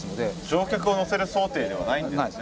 乗客を乗せる想定ではないんですね。